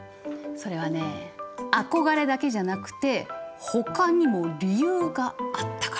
それはねえ憧れだけじゃなくてほかにも理由があったから！